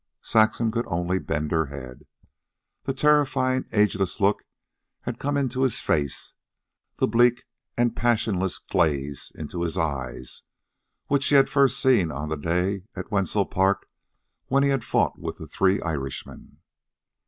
Saxon could only bend her head. The terrifying, ageless look had come into his face, the bleak and passionless glaze into his eyes, which she had first seen on the day at Weasel Park when he had fought with the three Irishmen.